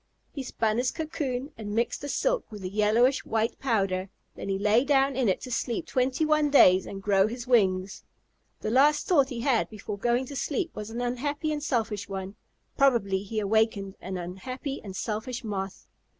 He spun his cocoon and mixed the silk with a yellowish white powder, then he lay down in it to sleep twenty one days and grow his wings. The last thought he had before going to sleep was an unhappy and selfish one. Probably he awakened an unhappy and selfish Moth.